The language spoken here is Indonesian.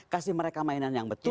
kasih mereka mainan yang betul